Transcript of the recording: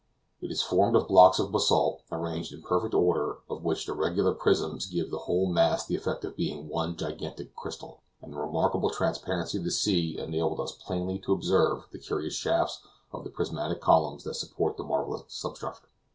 It is formed of blocks of basalt, arranged in perfect order, of which the regular prisms give the whole mass the effect of being one gigantic crystal; and the remarkable transparency of the sea enabled us plainly to observe the curious shafts of the prismatic columns that support the marvelous substructure.